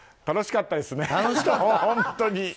楽しかったですね、本当に。